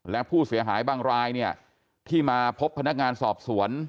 และผู้เสียหายบางรายเนี่ยที่มาพบพนักงานสอบสวน